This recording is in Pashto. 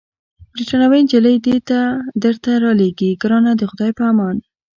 بریتانوۍ نجلۍ دي درته رالېږم، ګرانه د خدای په امان.